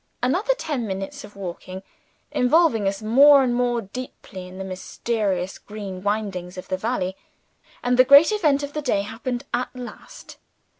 Another ten minutes of walking, involving us more and more deeply in the mysterious green windings of the valley and the great event of the day happened at last.